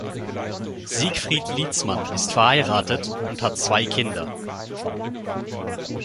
Siegfried Lietzmann ist verheiratet und hat zwei Kinder.